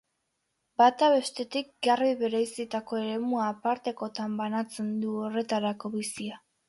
Bata bestetik garbi bereizitako eremu apartekotan banatzen du horretarako bizia.